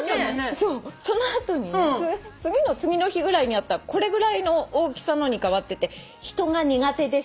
その後にね次の次の日ぐらいに会ったらこれぐらいの大きさのに変わってて「人が苦手です」って書いてあった。